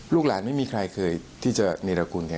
หลานไม่มีใครเคยที่จะเนรกุลไง